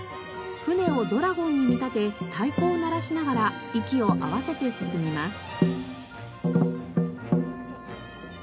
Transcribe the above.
船をドラゴンに見立て太鼓を鳴らしながら息を合わせて進みます。